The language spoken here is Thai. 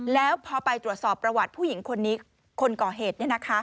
แล้วพอไปตรวจสอบประวัติผู้หญิงคนก่อเหตุ